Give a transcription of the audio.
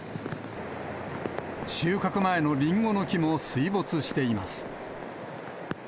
収穫前のリンゴの木も水没しています。